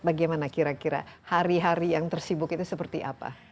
bagaimana kira kira hari hari yang tersibuk itu seperti apa